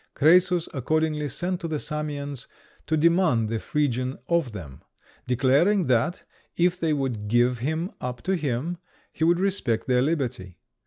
Crœsus accordingly sent to the Samians to demand the Phrygian of them; declaring that, if they would give him up to him, he would respect their liberty.